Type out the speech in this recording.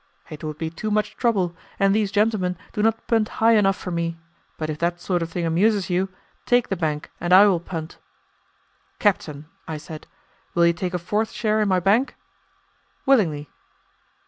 "It would be too much trouble, and these gentlemen do not punt high enough for me, but if that sort of thing amuses you, take the bank and I will punt." "Captain," I said, "will you take a fourth share in my bank?" "Willingly."